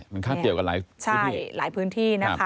มันค่าเกี่ยวกับหลายพื้นที่